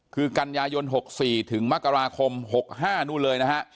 คือกันยายน๖๔ถึงมกราคม๖๕นู่นเลยนะฮะ